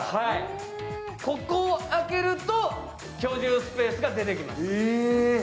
ここを開けると居住スペースが出てきます。